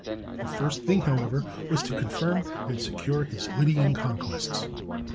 The first thing, however, was to confirm and secure his Lydian conquests.